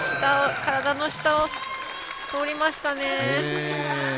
体の下を通りましたね。